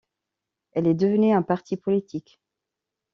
Elle est devenue un parti politique.